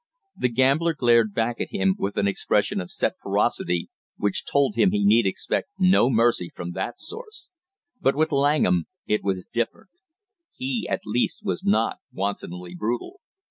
The gambler glared back at him with an expression of set ferocity which told him he need expect no mercy from that source; but with Langham it was different; he at least was not wantonly brutal.